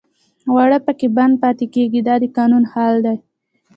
واړه پکې بند پاتې کېږي دا د قانون حال دی.